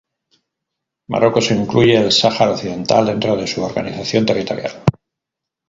Marruecos incluye el Sahara Occidental dentro de su organización territorial.